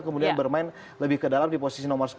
kemudian bermain lebih ke dalam di posisi nomor sepuluh